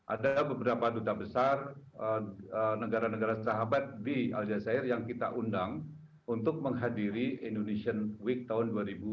ada beberapa duta besar negara negara sahabat di al jazeera yang kita undang untuk menghadiri indonesian week tahun dua ribu dua puluh